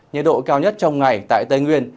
nhiệt độ cao nhất trong ngày tại tây nguyên